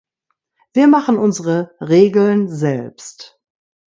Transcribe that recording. Wir machen unsere Regeln selbst.